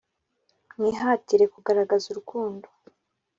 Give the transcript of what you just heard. Mwihatire kugaragaza urukundo